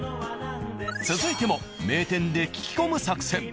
続いても名店で聞き込む作戦。